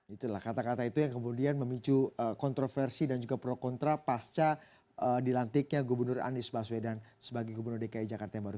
itulah kata kata itu yang kemudian memicu kontroversi dan juga pro kontra pasca dilantiknya gubernur anies baswedan sebagai gubernur dki jakarta yang baru